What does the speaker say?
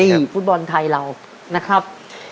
ฟุตบอลไทยเรานะครับ